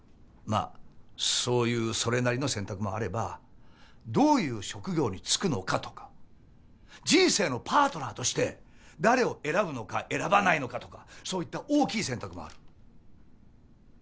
まあそういうそれなりの選択もあればどういう職業に就くのかとか人生のパートナーとして誰を選ぶのか選ばないのかとかそういった大きい選択もある。